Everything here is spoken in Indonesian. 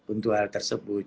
untuk hal tersebut